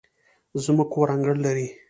زموږ کور انګړ لري